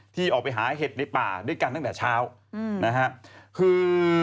ที่ออกไปหาเห็ดในป่าด้วยกันตั้งแต่เช้านะฮะคือ